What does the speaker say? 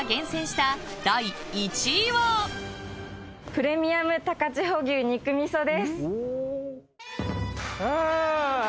プレミアム高千穂牛肉味噌です。